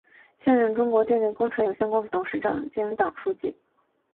现任中国电力工程有限公司董事长兼党书记。